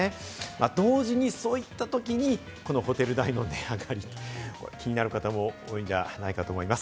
同時にそういったときにホテル代の値上がり、気になる方も多いんじゃないかと思います。